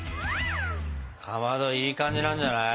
かまどいい感じなんじゃない？